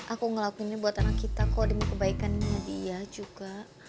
aku mau ngelakuin ini buat anak kita kok demi kebaikan dia juga